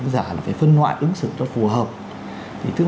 giả phải phân loại ứng xử cho phù hợp thứ